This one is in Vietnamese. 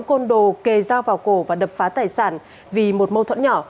côn đồ kề dao vào cổ và đập phá tài sản vì một mâu thuẫn nhỏ